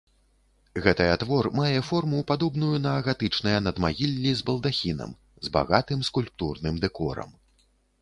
Гэтая твор мае форму, падобную на гатычныя надмагіллі з балдахінам, з багатым скульптурным дэкорам.